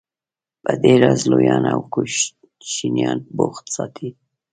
په دې راز لویان او کوشنیان بوخت ساتي.